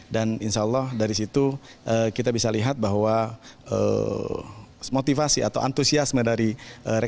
dan insya allah dari situ kita bisa lihat bahwa motivasi atau antusiasme dari pelajar